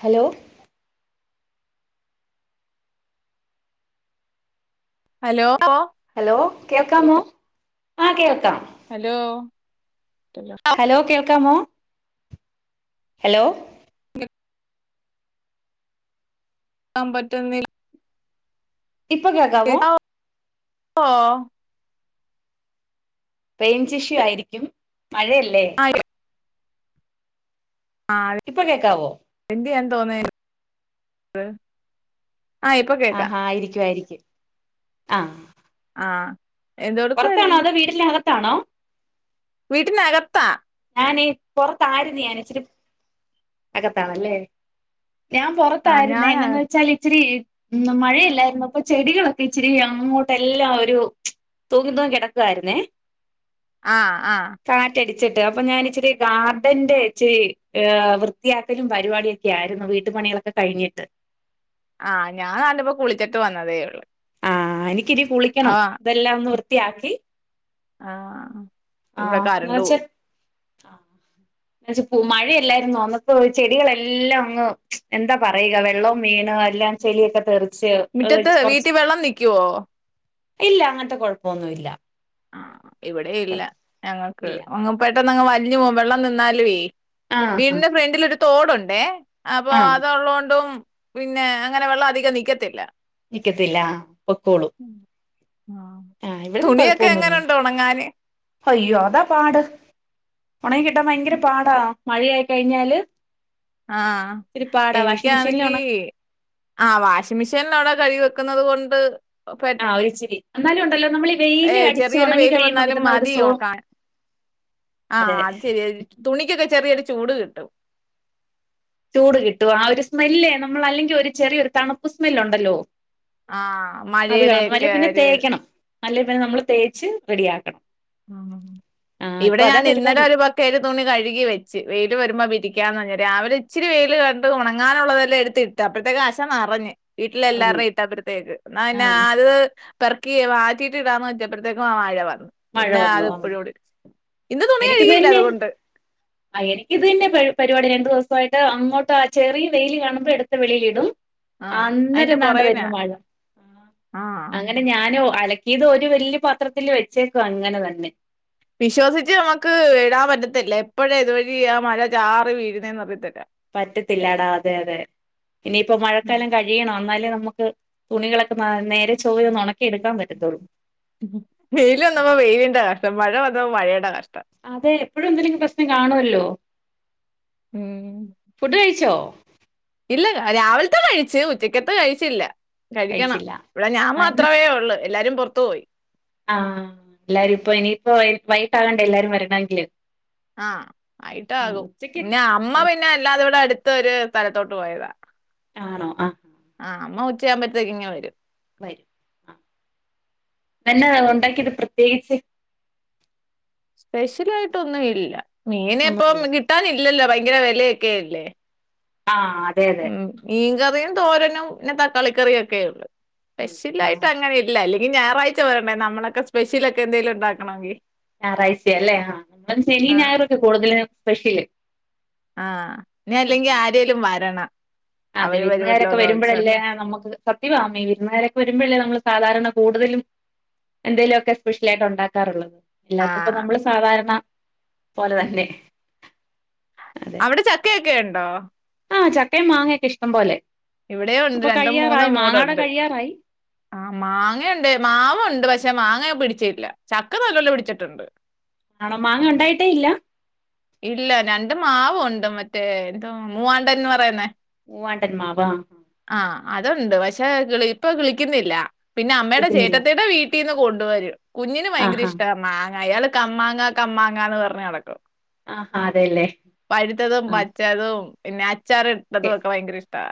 Hello hello ല്ലോ hello കേൾക്കാമോ ആ കേൾക്കാം ഹലോ ഹലോ കേൾക്കാമോ ഹലോ [inaudible] ൻ പറ്റുന്നില്ല ഇപ്പൊ കേൾകാവോ ഓഹ് റേഞ്ച് ഇഷ്യൂ ആയിരിക്കും മഴയല്ലേ [unintelligible] ആഹ് ഇപ്പൊ കേക്കാവോ എന്തെ ചെയ്യാൻ തോനെ ആഹ് ഇപ്പൊ കേക്കാം ആഹാ ആയിരിക്കും ആയിരിക്കും ആഹ് ആഹ് പുറത്താണോ അതോ വീട്ടിനകത്താണോ വീട്ടിനകത്ത ഞാന പുറത്തായിരുന്നു ഞാൻ ഇച്ചിരി അകത്താണല്ലേ ഞാൻ ആ പുറത്തായിരുന്നു ഞാന എന്നന്ന് വെച്ചാൽ ഇച്ചിരി ഉം മഴയല്ലായിരുന്ന ഇപ്പൊ ചെടികളൊക്കെ ഇച്ചിരി അങ്ങോട്ട എല്ലാം ഒരു തൂങ്ങി തോങ്ങി കിടക്കായിരുന്നേ ആഹ് ആഹ് കാറ്റടിച്ചട്ട്. അപ്പൊ ഞാാന ഇച്ചിരി ഗാർഡന്റെ ഇച്ചിഹ് വൃത്തിയാക്കലും പരിപാടിയൊക്കെ ആയിരുന്നു. വീട്ടുപണികളൊക്കെ കഴിഞ്ഞിട്ട്. ആഹ് ഞാൻ നല്ലപോ കുളിച്ചിട്ട് വന്നതേ ഉള്ളു. ആ എനിക്കിനി ആ കുളിക്കണം ഇതെല്ലാം ഒന്ന് വൃത്തിയാക്കി ആ ആഹ് ആഹ നിചൊ എന്ന വെച്ചു മഴയല്ലായിരുന്നു അന്നത്തെ ചെടികളെല്ലാം അങ്ങ് എന്താ പറയുക വെള്ളവും വീണ്. എല്ലാം ചെളിയൊക്കെ തെറിച്ച് അത് വെ മുറ്റത്ത് കൊറച്ച്. വീട്ടിൽ വെള്ളം നിക്കുവോ ഇല്ല അങ്ങനത്തെ കുഴപ്പൊന്നും ഇല്ല. ആ ഇവിടെ ഇല്ല ഞങ്ങൾക്ക് ഇല്ല അങ്ങപെട്ടന്ന് വലിഞ്ഞഞ് പോ വെള്ളം നിന്നാല് വേ ആഹ് ആഹ് വീടിന്റെ ഫ്രണ്ടിലൊരു തോടുണ്ട് ഉണ്ടോ അപ്പൊ ആഹ് അത്ള്ളേണ്ടും. പിന്നെ അങ്ങനെ വെള്ളം അധികം നിക്കത്തില്ല. നിക്കത്തില്ല പൊക്കോളു. ആഹ് ആഹ് ഇവിടന്നും കൊഴപ്പൊന്നില്ല അയ്യോ അതാ പാട് ഉണങ്ങി കിട്ടാൻ ഭയങ്കര പാടാ മഴയായി കഴിഞ്ഞാല്. ആഹ ഇത്തിരി പാടാ വാഷിംഗ് മെഷീനിൽ എനിക്കാണെങ്കി. ഉണ ആ വാഷിംഗ് മെഷീനിൽ അവിടെ കഴി വെക്കുന്നത് കൊണ്ട്. ആ ഒരുച്ചിരി എന്നാലും ഉണ്ടല്ലോ നമ്മള ഏ ചെറിയൊരു വെൽ വന്നാലും മതി ഒണക്കാൻ ആ അതെ അത് ശരിയ തുണിക്കൊക്കെ ചെറിയൊരു ചൂട് കിട്ടും. ചൂട് കിട്ടു ആ ഒരു സ്മെല്ലേ നമ്മൾ അല്ലെങ്കിൽ ഒരു ചെറിയൊരു തണുപ്പ് സ്മെല് ഉണ്ടല്ലോ. ആ അത് മഴയുടെ കാണും അല്ലെ ഒക്കെ പിന്നെ ഒരു തേക്കണം നല്ല പിന്നെ നമ്മള് തേച്ച് റെഡിയാക്കണം. ഉ ആ ഇവിടെ ഇപ്പൊ അതാ ഞാൻ ഇന്നലെ പരിപാടി ഒരു കൽ തുണി കഴുകി വെച്ച് വെയിൽ വരുമ്പോൾ വിരിക്കയന്ന് രാവിലെ ഇചിരി വയിൽ കണ്ടു തുണങ്ങാനുള്ളതെല്ലാം എടുത്ത്ട്ട് ആപ്പഴത്തേക്ക് അശ നിറഞ് വീട്ടില അറിഞ്ഞു എല്ലാരുടെയും ഇട്ടപ്പഴത്തേക്ക് എന്നാ പിന്നെ ആ അത്. പെർക്ക് മാറ്റിട്ട് ഇടാന്ന് പറ്റിയപ്പോഴത്തേക്കും ആ മഴ വന്നു പിന്നെ അത് ഇപ്പോഴും കൂടി എനിക്ക്പിന്നെ ആ എനിക്ക് ഇത് തന്നെ പരിപാടി രണ്ട് ദിവസമായിട്ട് അങ്ങോട്ട് ആ ചെറിയ വെയില് കാണുമ്പോൾ എടുത് വെളിയിലോട്ട് ഇടും. ആ അതിന്റെ അന്നരന്താണ്ട് പുറകിനാ വരുന്നു മഴ ആ അങ്ങനെ ഞാനോ അല. ഇത് ഒരു വലിയ പാത്രത്തിൽ വെച്ചേക്ക അങ്ങനെ തന്നെ വിശ്വസിച്ച് നമുക്ക് ഇടാൻ പറ്റത്തില്ല എപ്പോഴാ ഇതുവഴി ആ മഴ ചാറ് വീഴുന്ന്എന്ന് അറിയത്തില്ല പറ്റത്തില്ലാടാ അതെ അതെ ഇനിയിപ്പ മഴക്കാലം കഴിയണം എന്നാലേ നമുക്ക് തുണികളൊക്കെ നേരെ ചോയ ഒന്ന് ഉണക്കി എടുക്കാൻ പറ്റത്തുള്ളൂ. വെയിൽ വന്നപ്പോ വെയിലിന്റെ കഷ്ടം മഴ വന്നപോ മഴയുടെ കഷ്ടം അതെ എപ്പോഴും എന്തെകിലും പ്രശ്നം കാണുമല്ലോ ഉം ഫുഡ് കഴിച്ചോ ഇല്ല രാവിലത്തെ കഴിച്ചു ഉച്ചക്കത്തെ കഴിച്ചില്ല. കഴിക്കണം കഴിച്ചില്ല ഇവിടെ ഞാൻ ആ എന്നാ മാത്രമേ ഉള്ളൂ എല്ലാരും പുറത്തു പോയി. ആഹ എല്ലാരും ഇപ്പൊ ഇനിയിപ്പോ വൈട്ട് ആകണ്ട എല്ലാരും വരണമെങ്കില്. ആഹ ആ ആയിട്ടാകും ഉച്ചക്ക് പിന്നെ അമ്മ പിന്നെ അല്ലാതെ ഇവിടെ അടുത്തൊ ഒരു സ്ഥലത്തോട്ട് പോയതാ ആണോ ആഹ ആഹ് അമ്മ ഉച്ചയാകുബോത്തേക് ഇങ്ങ് വരും. വരും. അന്നെ ഉണ്ടാക്കിട്ട് പ്രത്യേകിച്ച് സ്പെഷ്യലായിട്ട് ഒന്നും ഇല്ലാ മീൻ ഒന്നുല്ല ഇപ്പം കിട്ടാനില്ലല്ലോ ഭയങ്കര വെലയൊക്കെ അല്ലെ ആഹ് അതെ അതെ ളം മീൻകറിയും തോരനും പിന്നെ തക്കാളി കറിയും ഒക്കെ ഉണ്ട് ഉള്ളൂ. സ്പെഷ്യൽ ആ ആയിട്ട് അങ്ങനെ ഒന്നും ല്ലാ അല്ലെകി ഞായറഴ്ച്ച വരണ്ടേ നമ്മൾ ഒക്കെ സ്പെഷ്യലൊക്കെ എന്തേലും ഉണ്ടാക്കണോങ്കി ഞാറാഴ്ച്ച അല്ലേ ആഹ് ഇവടെ ശനി ആ ഞായറൊക്കെ കൂട്തെൽ സ്പെഷ്യല് ആഹ് ഇനി അല്ലെങ്കി ആ ആരെലും വരണം അതെ അവര് വിര്ന്ന്കാരൊക്കെ വരുമല്ലോന്ന് വെരുമ്പളല്ലേ ഓർത്തോണ്ട്. നമ്മക്ക് സത്യവാ മ്മേ വിര്ന്ന് കരൊക്കെ വെരുമ്പഴ് അല്ലെ നമ്മൾ സാധാരണ കൂട്തെലും എന്തെലും ഒക്കെ സ്പെഷ്യൽ ആയിട്ട് ഒണ്ടാക്കാർ ഉള്ളത് അല്ലാത്തപ്പോ ആഹ് നമ്മള് സാധാരണ പോലെ തന്നെ അതെ അവ്ടെ ചക്കയൊക്കെ ഇണ്ടോ? ആഹ് ചക്കയും മാങ്ങയൊക്കെ ഇഷ്ടം പോലെ ഇവിടെയും ഉണ്ട് ഇപ്പ രണ്ടും കഴിയാറായി മാങ്ങ ഇവടെ കഴിയാറായി ആഹ് മാങ്ങയുണ്ട് മാവുണ്ട് പക്ഷെ മാങ്ങ പിടിച്ചിയില്ല ചക്ക നല്ലോലെ പിടിച്ചിട്ടുണ്ട് നാടം മാങ്ങ ഉണ്ടായിട്ടെ ഇല്ലാ ഇല്ല രണ്ട് മാവ് ഉണ്ട് മറ്റേ എന്തോ മൂവാണ്ടെൻന്ന് പറയുന്നേ മുവാണ്ടെൻ മാവ് ആഹ് ആഹ് അതുണ്ട് പക്ഷെ കിളി ഇപ്പൊ കിളിക്കുന്നില്ല പിന്നെ അമ്മയുടെ വിളിക്കുന്നില്ല ചേട്ടത്തിടെ വീ ട്ടീന്ന് കൊണ്ട് വരും കുഞ്ഞിന് ഭയങ്കര ആഹാ ഇഷ്ടാ മാങ്ങ അയാൾ കമ്മാങ്ങ കമ്മാങ്ങാ എന്ന് പറഞ്ഞ് നടക്കും ആഹ് ഹാ അതെലെ പഴ്ത്തതും പച്ചതും പിന്നെ അച്ചാറ് ഇട്ടതും ഒക്കെ ഭയങ്കര ഇഷ്ടാ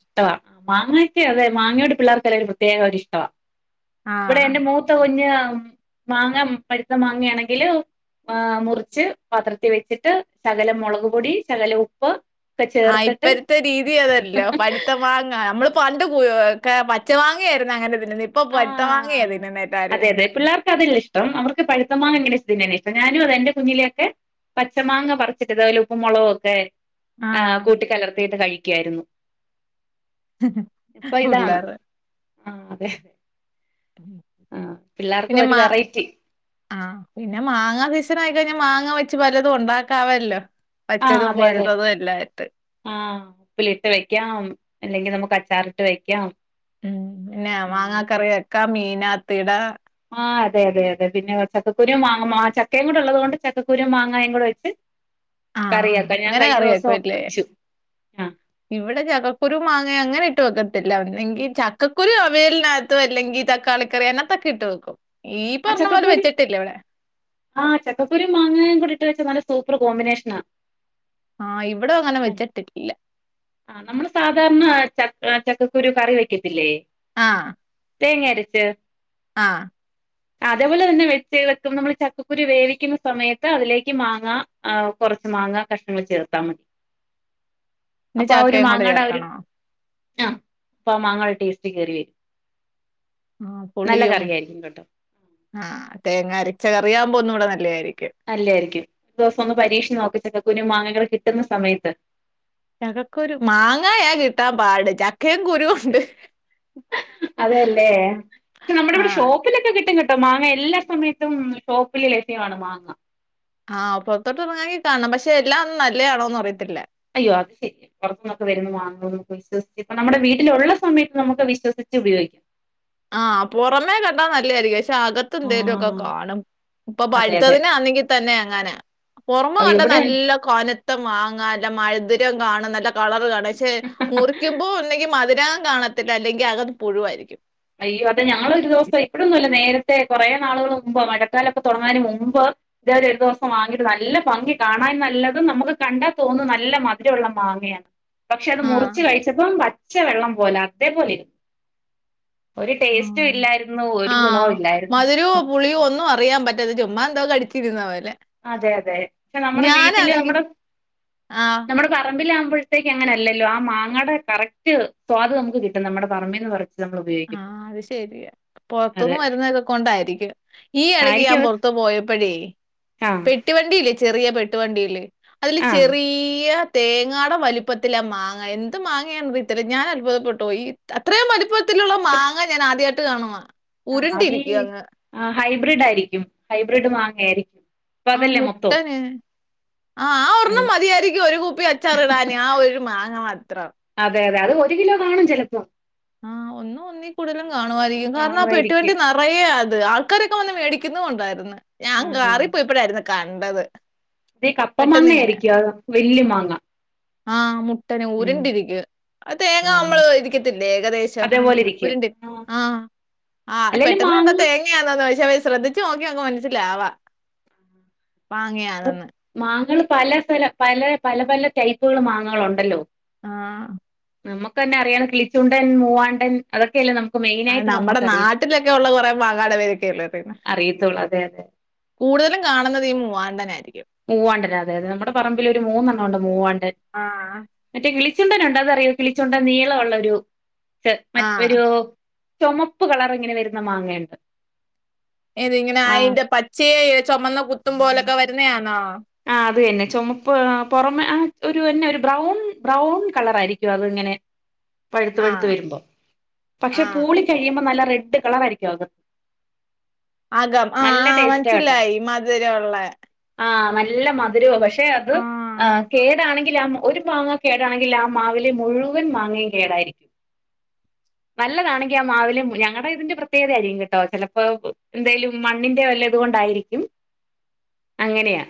ഇഷ്ടവാ മാങ്ങയൊക്കെ അതെ മാങ്ങയോടെ പിള്ളാർക്ക് അല്ലെലും പ്രത്യേക ഒരു ഇഷ്ടവാ ഇബടെ ആഹ് എൻ്റെ മൂ ത്ത കുഞ്ഞ് മാങ്ങ പഴ്ത്ത മാങ്ങയാണെങ്കിൽ ഏന് മുറിച്ച് പത്രത്തിൽ വെച്ചിട്ട് സകലം മൊളക് പൊടി സകലം ഉപ്പ് ഒക്കെ ആഹ് ചേർത്തിട്ട് ഇപ്പഴ്ത്തെ രീതി അത് അല്ലോ പഴ്ത്ത മാങ്ങ നമ്മൾ പണ്ട് കു ഒക്കെ പച്ച മാങ്ങയായിരുന്നു അങ്ങനെ തിന്നുന്നെ ഇ പ്പം പഴുത്ത മാങ്ങെ തിന്നുന്നെ എല്ലാരും ഇതെ പിള്ളേര് ക്ക് അത് അല്ലെ ഇഷ്ടം അവർക്ക് പഴ്ത്ത മാങ്ങ [unintelligible] ഇഷ്ടം ഞാനും അതെ ഇന്റെ കുഞ്ഞിലൊക്കെ പച്ചമാങ്ങ പറിച്ചിട്ട് ഇതു പോലെ ഉപ്പും മൊളകും ഒക്കെ ആഹ് കൂട്ടി കലർത്തിയിട്ട് കഴിക്കായിരുന്നു. ഇപ്പ ഇതാണ് പിള്ളേര്. ആഹ് അതെ ഉ ആഹ് പിള്ളാർക്കും ഒരു വെറൈറ്റി ആഹ് പിന്നെ മാങ്ങാ സീസെൻ ആയിക്കഴിഞ്ഞാ മാങ്ങ വെച്ച് പലതും ഉണ്ടാക്കാവല്ലോ ആഹ് പച്ചതും അതെ അതെ പഴുത്തതും എല്ലാം ആയിട്ട് ആഹ് ഉപ്പിലിട്ട് വെക്കാം അല്ലെങ്കി നമുക്ക് അച്ചാറിട്ട് വെക്കാം ഉം പിന്നെ ഉം മാങ്ങ അങ്ങനെ കറി വെക്കാം മീന് അകത്ത് ഇടാം ആഹ് അതെ അതെ അതെ പിന്നെ [unintelligible] ചക്കകുരും മാങ്ങ മാ ചക്കെം കൂടെ ഉള്ളത് കൊണ്ട് ചക്കകുരും മാങ്ങയും കൂടെ വെച്ച് ആഹ് കറിയാക്ക ഞാൻ അങ്ങനെ കഴിഞ്ഞ കറി ദുവ്സം വെക്കുവല്ലേ? വെച്ചു ആഹ് ഇവിടെ ചക്കക്കുരു മാങ്ങയും അങ്ങനെ ഇട്ട് വെക്കത്തില്ലാ ഒന്നെങ്കി ചക്കുരു അവിയലിന് അക ത്തോ അല്ലെങ്കി തക്കാളിക്കറി കറി അയിന് അകത്ത് ഒക്കെ ഇട്ട് വെക്കും ഈ ആ പർണ പോലെ ചക്കക്കുരു വെച്ചിട്ടില്ലാ ഇവടെ ആഹ് ചക്ക കുരും മാങ്ങയും കൂടി ഇട്ടു വെച്ചാ നല്ല സൂപ്പർ കോമ്പിനേഷ്നാ ആഹ് ഇവടെ അങ്ങനെ വെച്ച്ട്ട് ഇല്ലാ ആഹ് നമ്മൾ സാധാരണ ച ചക്കകുരു കറി വെക്കത്തില്ലേ? ആഹ് തേങ്ങ അരച്ചോ ആഹ് അതേപോലെ തന്നെ വെച്ച് വെക്കും നമ്മള് ച ചക്കക്കുരു വേവിക്കുന്ന സമയത്ത് അതിലേക്ക് മാങ്ങാ കുറച്ച് മാങ്ങ കഷ്ണങ്ങൾ ചേർത്താൽ മതി ഇനി അപ്പൊ അവര് ചക്കയും കൂടെ മാങ്ങാട അവര് ചേർക്കണോ? ആഹ് അപ്പൊ മാങ്ങയുടെ ടേസ്റ്റ് കേറിവരും ആഹ് നല്ല പുളിയും കറിയായിരിക്കും കേട്ടോ ആഹ് തേങ്ങ അരച്ച കറിയാവുമ്പൊ ഒന്നുടെ നല്ലയായിരിക്കും അല്ലായിരിക്കും ഒരു ദിവസം ഒന്ന് പരീക്ഷിച്ച് നോക്കട്ടെ ചക്കകുരും മാങ്ങകളൊക്കെ കിട്ടുന്ന സമയത്ത് ചകക്കുരു മാങ്ങായാ കിട്ടാൻപാട് ചക്ക അതെല്ലേ പക്ഷെ നമ്മുടെ ഇവിടെ ആഹ് ഷോപ്പ് ലൊക്കെ കിട്ടും കെട്ടോ മാങ്ങ എല്ലാസമയത്തും ഷോപ്പില് ലഭ്യമാണ് മാങ്ങ ആഹ് പുറത്തോട്ട് ഇറങ്ങാങ്കി കാണും പക്ഷെ എല്ലാം ഒന്നു നല്ലയാണോന്ന് അറിയത്തില്ല അയ്യോ അത് ശരിയാ പുറത്തുന്നൊക്കെ വരുന്നു മാങ്ങന്നു വിശ്വസ്ച്ച് ഇപ്പ നമ്മുടെ വീട്ടിലുള്ള സമയത്ത് നമുക്ക് വിശ്യസിച്ച് ഉപയോഗിക്കാം [inaudible] ആഹ് പുറമേ കണ്ടാ നല്ലതായിരിക്കും പക്ഷെ അകത്ത് എന്തേലും ഒക്കെ ആഹ് കാണും ഇപ്പൊ അതെ അതെ പഴുത്തതിനാന്നെങ്കിതന്നെ അങ്ങനെ പുറമ അയ്യോ കണ്ട ഇവിടെ നല്ല കൊനത്ത മാങ്ങ നല്ല മഴധുര്യം കാണും നല്ല കളറ് കാണ പക്ഷെ മുറിക്കുമ്പോ ഒന്നെങ്കി മധുരാ കാണത്തില്ല അല്ലെങ്കിൽ അകത്ത് പുഴുവായിരിക്കും അയ്യോ അതെ ഞങ്ങളൊരു ദിവസം ഇപ്പയൊന്നും അല്ല നേര ത്തേ കൊറേ നാളുകൾ മുമ്പ് മഴക്കാലൊക്കെ തുടങ്ങാൻ മുമ്പ് ഇതത് ഒരു ദിവസം വാങ്ങീട്ട് നല്ല ഭംഗി കാണാൻ നല്ലതും നമുക്ക് കണ്ടാൽ തോന്നു നല്ല മധുരള്ള മാങ്ങയാണ് പക്ഷെ അത് ആഹ് മുറിച്ച് കഴിച്ചപ്പം പച്ചവെള്ളം പോലെ അതേപോലെനി ഒരു ടേസ്റ്റും ആഹ്. ഇല്ലായിരുന്നു ഒരു ഗുണവും ഇല്ലായിരുന്നു പുളിയും ഒന്നും അറിയാൻ പറ്റാത ചുമ്മാ എന്തോ കടിച്ചിരുന്ന പോലെ അതെ അതെ പക്ഷെ നമ്മുടെ വീട്ടില് ഞാനാണെങ്കി നമ്മുടെ ആഹ് നമ്മുടെ പറമ്പില ആകുമ്പോഴത്തേക്ക് അങ്ങനെയല്ലല്ലോ ആ മാങ്ങയുടെ കറക്റ്റ് സ്വാദ് നമുക്ക് കിട്ടും നമ്മുടെ പറമ്പിൽന്ന് പറിച്ച് നമ്മൾ ഉപയോഗിക്കുമ്പോൾ ആഹ് അത് ശെരിയാ പൊറുത്തുന്ന് അതെ വരുന്നതുകൊണ്ടായിരിക്കും ഈ ഇടയ്ക്ക് ഞാൻ ആയിരിക്കും പൊറത്തുപോയപ്പഴേ ആ പെട്ടിവണ്ടിയില്ലേ ചെറിയ പെട്ടുവണ്ടില് അതില് ആ ചെറീയ തേങ്ങാട വലിപ്പത്തിലാമാങ്ങ എന്ത് മാങ്ങയാണ ഇത്തര ഞാ അത്ഭുതപ്പെട്ടോയ് ഈ അത്രയും വലിപ്പ ത്തിലുള്ള മാങ്ങ ഞാൻ ആദ്യായിട്ട് കാണുവ ആത് ഹൈബ്രിഡായിരിക്കും ഹൈബ്രിഡ് മാങ്ങയാരിക്കും ആഹ് മുട്ടനെ ആ ആ അതെ ഒരെണ്ണം മതിയായിരിക്കും ഒരു കുപ്പി അ ച്ചാറിടാന് ആ ഒരു മാങ്ങമാത്രം അതെ അതെ അത് ഒരു കിലോ കാണും ചെലപ്പോ ആഹ് ഒന്നും ഒന്നി കൂടുതലു കാണുവായിരിക്കും കാരണം ആ പെട്ടി കാണുവായിരിക്കും വണ്ടിന റയ അത് ആൾക്കാരൊക്കെ വന്ന് മേടിക്കുന്നുണ്ടായിരന്ന് ഞാൻ ആഹ് കാറിപ്പോയപ്പോഴായിരുന്നു കണ്ടത് അതേ കപ്പ മാങ്ങ പെട്ടെന്നിങ്ങനെ. ആയിരിക്കു അ വെല്യമാങ്ങ ആഹ് മുട്ടനെ ഉരുണ്ടിരിക്ക അ തേങ്ങ ആ നമ്മള് ഇരിക്കത്തി ല്ലേകദേശം അതേപോലെ ഇരിക്കും ഉരുണ്ട് ആഹ് ആഹ് അല്ലേലും പെട്ടെന്ന്കണ്ടാ മാങ്ങ തേങ്ങ ങ്ങാന്നത് പക്ഷെ അവര് ശ്രദ്ധിച്ചു നോക്കിയങ്ങ് മൻസ്സിലാവാ മാങ്ങാണന്ന് മാങ്ങള് പല സ്ഥല പല പല പല ടൈപ്പുകള് മാങ്ങളുണ്ടല്ലോ ആഹ് നമുക്കന്നെ അറിയാണ് കിളിച്ചുണ്ടൻ മൂവാണ്ടൻ അതൊക്കെയല്ലേ നമ ആഹ് നമ്മടെ നാട്ടിലൊക്കൊള്ള കൊറെ മാങ്ങാടെ പേരൊക്കെയള്ളറിന്ന അറിയത്തുള്ളൂ അതെ അതെ കൂടുതലും കാണുന്നതീ മൂവാണ്ടനായിരിക്കും മൂവാണ്ടൻ അതെയതെ നമ്മുടെ പറമ്പിലൊരു മൂന്നെണ്ണ ഒണ്ട് മൂവാണ്ടൻ ആഹ്. മറ്റേ കിളിച്ചുണ്ടനുണ്ട് അതറിയോ കിളിച്ചുണ്ടൻ നീള ഒള്ളൊരു മറ്റ ആഹ്. ഒരു ചൊമപ്പ് കളറിങ്ങനെ വരുന്ന മാങ്ങെ ഇണ്ട് ഏത് ഇങ്ങനെ അയിൻ്റെ പച്ചയെ ചൊമന്ന കുത്തും പോലൊക്കെ വരുന്നയാന്നോ ആഹ് അതന്നെ ചൊമപ്പ് പുറമെ ആഹ് ഒരുന്നെ ഒരു ബ്രൗൺ ബ്രൗൺ കളറായിരിക്കും അത് ഇങ്ങനെ പഴുത്ത് പഴുത്ത് ആഹ് വരുമ്പോ പക്ഷെ ആഹ് പൂളി കഴിയുമ്പോ നല്ല റെഡ് കളറായിരിക്കും അകത്ത് അകം ആഹ് നല്ല ആഹ് ടേസ്റ്റാ കേട്ടോ മൻസ്സിലായി മധുരൊള്ള ആഹ് നല്ല മധുരവാ പക്ഷെ അത് ആഹ് കേടാണെങ്കില് ആ ഒരു മാങ്ങ കേടാണെങ്കില് ആ മാവിലെ മുഴുവൻ മാങ്ങയും കേടായിരിക്കും നല്ലതാണെങ്കിൽ ആ മാവിലെ മു ഞങ്ങളുടെ ഇതിന്റെ പ്രത്യേകതയായിരിക്കും കേട്ടോ ചെലപ്പോ എന്തേലു മണ്ണിന്റെ വല്ല ഇതുകൊണ്ടായിരിക്കും അങ്ങനെയാ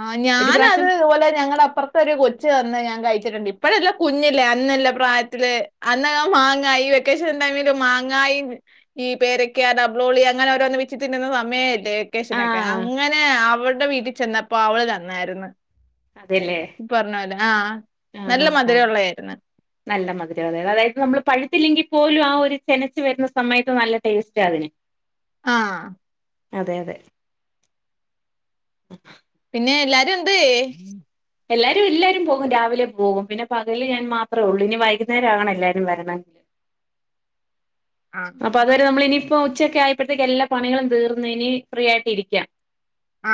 ആഹ് ഒരു ഞാനത് പ്രാവശ്യം തുപോലെ ഞങ്ങളപ്പർത്ത് തൊരു കൊച്ച് തന്ന് ഞാൻ കഴിച്ചിട്ടുണ്ട് ഇപ്പഴല്ല കുഞ്ഞിലെ അന്നല്ല പ്രായത്തില് അന്ന മാങ്ങായ്യോ വെക്കേഷൻ ടൈമില് മാങ്ങായി ഈ പേരക്ക ഡബ്ളോളി അങ്ങനെ ഓരോന്ന് വെച്ചിതിന്നുന്ന സമയല്ലേ വെക്കേഷനൊക്കെ ആഹ് അങ്ങനെ അവൾടെ വീട്ടിൽ ചെന്നപ്പോ അവള് തന്നായിരുന്നു അതെല്ലേ ഇ പറഞ്ഞപോലെ ആഹ് ആഹ് നല്ല ആഹ് ആഹ് മധുരുള്ളായിരുന്ന് നല്ല മധുരാ അതെ അതായത് നമ്മള് പഴുത്തില്ലെങ്കിൽ പോലും ആ ഒരു ചെനച്ചു വരുന്ന സമയത്ത് നല്ല ടേസ്റ്റാ അതിന് ആഹ് അതെയതെ പിന്നെ എല്ലാരുഎന്തേ എല്ലാരും എല്ലാരും പോകും രാവിലെ പോകും പിന്നെ പകല് ഞാൻ മാത്രേള്ളൂ ഇനി വൈകുന്നേരം ആകണം എല്ലാവരും വരണമെങ്കില് ആ അപ്പൊ അത് നമ്മളനിയിപ്പോ ഉച്ചക്കെ ആയപ്പോത്തേക്ക് എല്ലാ പണികും തീർന്ന് എനി ഫ്രീ ആയിട്ടിരിക്കാം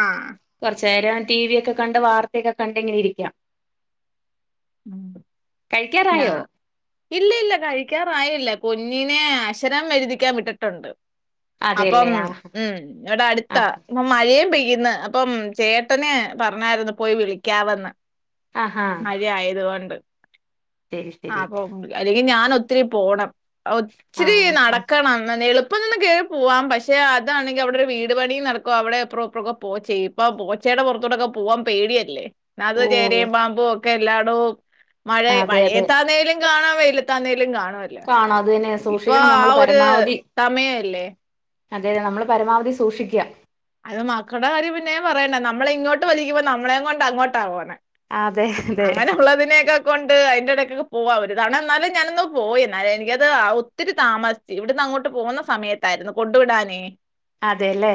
ആഹ് കൊറച്ചേരം ടി വി ഒക്കെ കണ്ട് വാർത്തയൊക്കെ കണ്ടിങ്ങനെ ഇരിക്കാം ഉം ഞാ കഴിക്കാറായോ ഇല്ലയില്ല കഴിക്കാറായില്ല കുഞ്ഞിനെ അശരം എഴുതിക്കാൻ വിട്ടിട്ടുണ്ട് അതെല്ലേ അപ്പം ആഹ് ഉം ഇവിടെടുത്താ ആഹ് ഇപ്പ മഴയും പെയ്യ്ന്ന് അപ്പം ചേട്ടന് പറഞ്ഞായിരുന്നു പോയി വിളിക്കാവെന്ന് ആഹ് അഹ് ആയതു കൊണ്ട് ശരി ആഹ് അല്ലെങ്കിൽ ഞാൻ ഒത്തിരി പോണം ഒച്ചിരി ആഹ് ആഹ് നടക്കണം എളു പോവാം പക്ഷെ അതാണെങ്കിൽ അവിടെ ഒരു വീട് പണിയും നടക്കും അവിടെ [unintelligible] പോച്ചയും ഇപൊ ച്ചേയുടെ പുറത്തോട്ടൊക്കെ പോവാൻ പേടിയല്ലേ നാത് ഓ ചേരയും പാമ്പും ഒക്കെ എല്ലാടവും മഴ അതെ അതെ മഴയത്താണേല് കാണ വേയില്ലത്താണേലും കാണുവല്ലൊ കാണും അത് തന്നെ ഇപ്പൊ സൂക്ഷിക്കണം നമ്മൾ ആഹ് ഒരു പരമാവധി സമയവല്ലേ അതെ നമ്മൾ പരമാവധി സൂക്ഷിക്ക അത് മക്കളുടെ കാര്യം പിന്നേയും പറയണ്ട നമ്മള ഇങ്ങോട്ട് വലിക്കുമ്പോ നമ്മളെ കൊണ്ട് അങ്ങോട്ടാ പൊന്നേ അതെ അതെ അങ്ങനെഉള്ളതിനെയൊക്കെ എന്റെ ഇടയ്ക്കൊക്കെ പോവാ ഒരു ഇതാണ് എന്നാലും ഞാനൊന്ന് പോയി എന്നാലും എനിക്കത് ഒത്തിരി താമസ ഇവിടന്ന് അങ്ങോട്ട് പോകുന്ന സമയത്തായിരുന്നു കൊണ്ടു വിടാനേ അതെല്ലേ